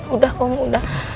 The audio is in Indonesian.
udah om udah